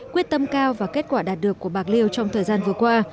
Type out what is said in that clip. quyết tâm cao và kết quả đạt được của bạc liêu trong thời gian vừa qua